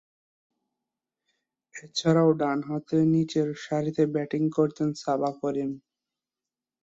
এছাড়াও, ডানহাতে নিচেরসারিতে ব্যাটিং করতেন সাবা করিম।